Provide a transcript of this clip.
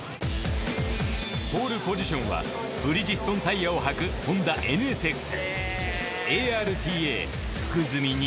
ポールポジションはブリヂストンタイヤをはくホンダＮＳＸＡＲＴＡ福住仁